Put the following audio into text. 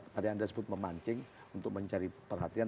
tadi anda sebut memancing untuk mencari perhatian